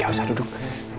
gak usah duduk